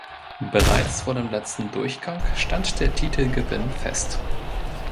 Bereits vor dem letzten Durchgang stand der Titelgewinn fest.